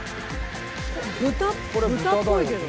豚っぽいけど。